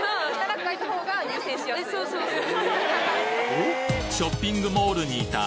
そうそうそう。